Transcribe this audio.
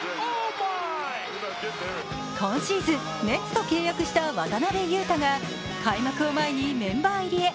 今シーズン、ネッツと契約した渡邊雄太が開幕を前にメンバー入りへ。